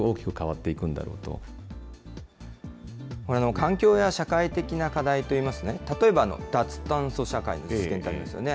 環境や社会的な課題といいますとね、例えば脱炭素社会の実現がありますよね。